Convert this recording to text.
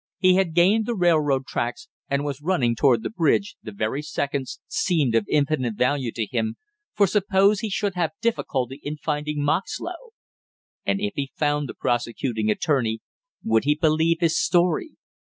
He had gained the railroad tracks and was running toward the bridge, the very seconds seemed of infinite value to him, for suppose he should have difficulty in finding Moxlow? And if he found the prosecuting attorney, would he believe his story?